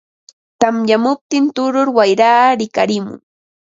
tamyamuptin tutur wayraa rikarimun.